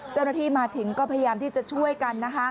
เจ้าหน้าที่มาถึงก็พยายามที่จะช่วยกัน